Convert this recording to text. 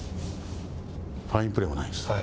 ファインプレーもないです。